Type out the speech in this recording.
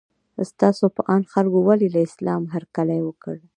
ستاسو په اند خلکو ولې له اسلام هرکلی وکړ؟